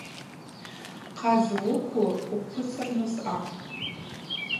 Хъа зухъу ухъвыцырныс акӏвпӏ.